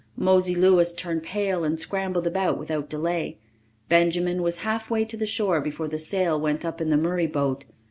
Mosey Louis turned pale and scrambled about without delay. Benjamin was halfway to the shore before the sail went up in the Murray boat.